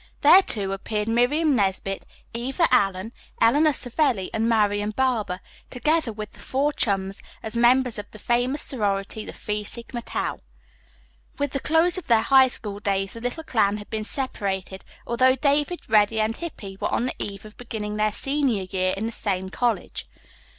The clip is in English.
There, too, appeared Miriam Nesbit, Eva Allen, Eleanor Savelli and Marian Barber, together with the four chums, as members of the famous sorority, the Phi Sigma Tau. With the close of their high school days the little clan had been separated, although David, Reddy and Hippy were on the eve of beginning their senior year in the same college.